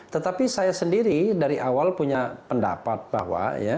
tetapi saya sendiri dari awal punya pendapat bahwa ya